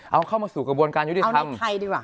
เอาเข้ามาสู่กระบวนการยุติธรรมของไทยดีกว่า